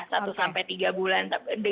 satu sampai tiga bulan